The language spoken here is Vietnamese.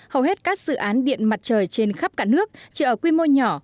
hầu hết các dự án điện mặt trời trên khắp cả nước chỉ ở quy mô nhỏ